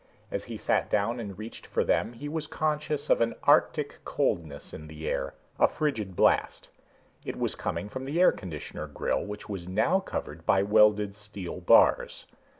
As he sat down and reached for them he was conscious of an arctic coldness in the air, a frigid blast. It was coming from the air conditioner grill, which was now covered by welded steel bars.